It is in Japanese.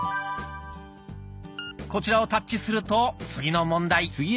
こちらをタッチすると次の問題。